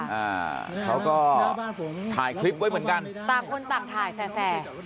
อ่าเขาก็ถ่ายคลิปไว้เหมือนกันต่างคนต่างถ่ายแฟร์แฟร์